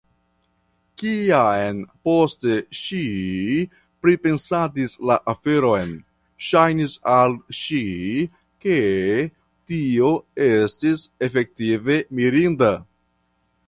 Kiam poste ŝi pripensadis la aferon, ŝajnis al ŝi, ke tio estis efektive mirinda.